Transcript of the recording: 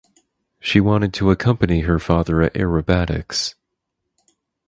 She wanted to accompany her father at aerobatics.